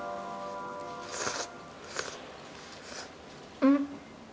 うん。